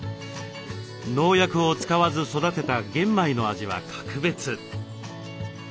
農薬を使わず育てた玄米の味は格別。